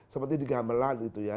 seperti di gamelan itu ya